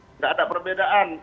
tidak ada perbedaan